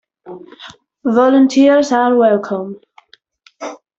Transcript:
Volunteers are welcome.